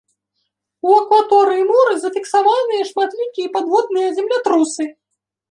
У акваторыі мора зафіксаваныя шматлікія падводныя землятрусы.